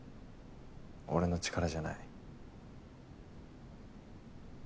俺の力じゃない。